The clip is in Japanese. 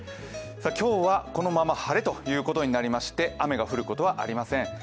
今日はこのまま晴れということになりまして、雨が降ることはありません。